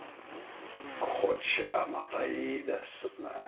こちらまたいいですね。